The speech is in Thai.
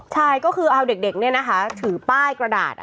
ใช่ก็คือเอาเด็กถือป้ายกระดาษ